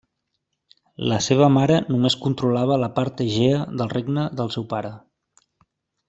La seva mare només controlava la part Egea del regne del seu pare.